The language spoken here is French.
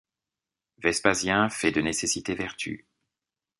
Vespasien fait de nécessité vertu.